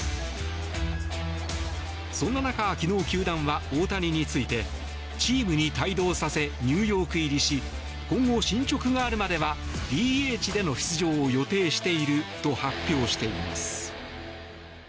そんな中、昨日球団は大谷についてチームに帯同させニューヨーク入りし今後、進ちょくがあるまではＤＨでの出場を予定していると発表しています。